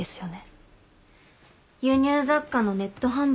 輸入雑貨のネット販売。